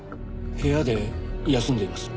部屋で休んでいます。